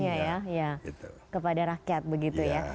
tapi fokusnya ya kepada rakyat begitu ya